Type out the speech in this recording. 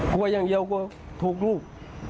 กลัวอย่างเดียวกลัวถูกลูก